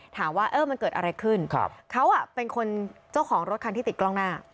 ถามว่าเออมันเกิดอะไรขึ้นเขาเป็นคนเจ้าของรถคันที่ติดกล้องหน้า